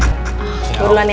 gue duluan ya